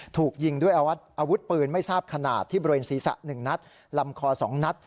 ถูกยิงด้วยอาวุธปืนไม่ทราบขนาดที่บริเวณศีรษะ๑นัดลำคอ๒นัด